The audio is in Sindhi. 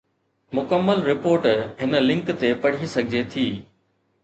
مڪمل رپورٽ هن لنڪ تي پڙهي سگهجي ٿي.